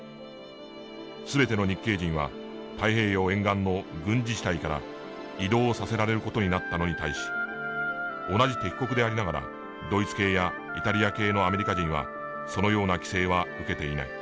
全ての日系人は太平洋沿岸の軍事地帯から移動させられる事になったのに対し同じ敵国でありながらドイツ系やイタリア系のアメリカ人はそのような規制は受けていない。